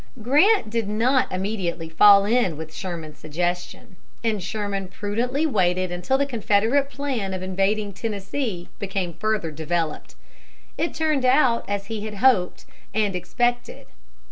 Grant did not immediately fall in with Sherman's suggestion; and Sherman prudently waited until the Confederate plan of invading Tennessee became further developed. It turned out as he hoped and expected.